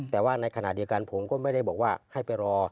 แต่ว่าในขณะเดียวกันผมก็ไม่ได้บอกว่าให้ไปรอ